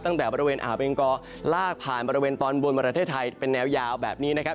ตั้งแต่บริเวณอ่าวเบงกอลากผ่านบริเวณตอนบนประเทศไทยเป็นแนวยาวแบบนี้นะครับ